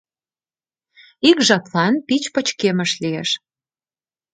Ик жаплан пич пычкемыш лиеш.